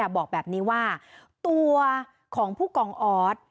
บอกแบบนี้ว่าตัวของผู้กองออส